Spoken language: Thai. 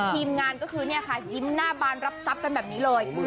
ทีมงานก็คือเนี่ยค่ะยิ้มหน้าบานรับทรัพย์กันแบบนี้เลย